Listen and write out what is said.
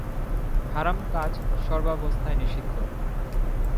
হারাম কাজ সর্বাবস্থায় নিষিদ্ধ।